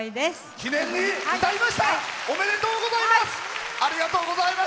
記念に歌いましたおめでとうございます。